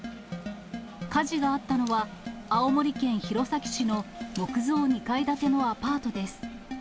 火事があったのは、青森県弘前市の木造２階建てのアパートです。